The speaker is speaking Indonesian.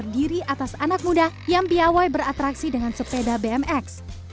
dan juga berlaku beratraksi dengan sepeda bmx